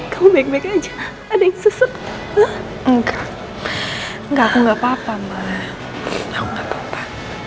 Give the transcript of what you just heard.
kamu baik baik aja ada yang sesuai enggak enggak enggak papa papa